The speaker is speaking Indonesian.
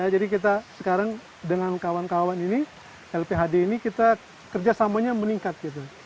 jadi kita sekarang dengan kawan kawan ini lphd ini kita kerjasamanya meningkat gitu